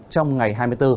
trong ngày hai mươi bốn